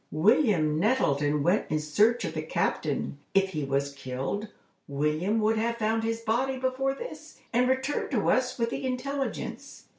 William Nettleton went in search of the captain. If he was killed, William would have found his body before this, and returned to us with the intelligence.